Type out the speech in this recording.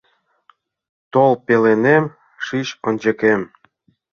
Тол пеленем, шич ончыкем -